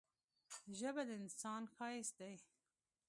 ژبه د انسان ښايست دی.